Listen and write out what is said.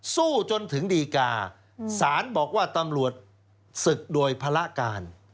สู้จนถึงดีกาสารบอกว่าตำรวจศึกโดยภาระการ